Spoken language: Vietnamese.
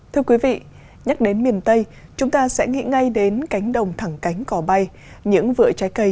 thưa quý vị nhắc đến miền tây chúng ta sẽ nghĩ ngay đến cánh đồng thẳng cánh cỏ bay những vựa trái cây